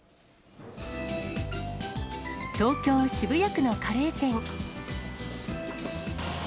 東京・渋谷区のカレー店。